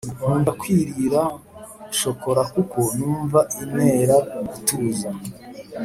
Nkunda kwirira shokola kuko numva inera gutuza